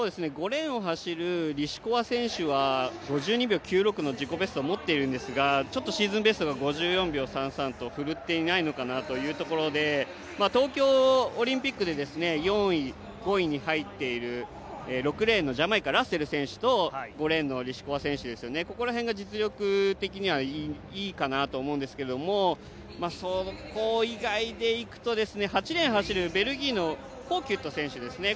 ５レーンを走るリシコワ選手は５２秒９６の自己ベストを持ってるんですがシーズンベストが５４秒３３とふるっていないのかなというところで東京オリンピックで４位、５位に入っている６レーンのジャマイカラッセル選手と５レーンのリシコワ選手、ここら辺が実力的にいいかなと思うんですがそこ意外で行くと８レーンを走るベルギーのコウキュット選手ですね